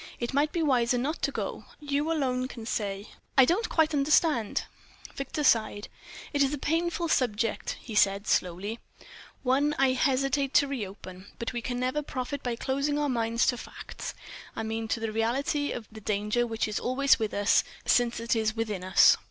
It might be wiser not to go. You alone can say." "I don't quite understand ..." Victor sighed. "It is a painful subject," he said, slowly—"one I hesitate to reopen. But we can never profit by closing our minds to facts; I mean, to the reality of the danger which is always with us, since it is within us."